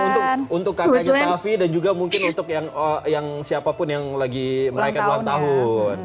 silahkan untuk kakaknya taffy dan juga mungkin untuk yang siapapun yang lagi merayakan ulang tahun